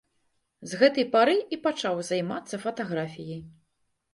З гэтай пары і пачаў займацца фатаграфіяй.